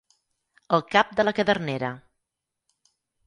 El cap de la cadernera.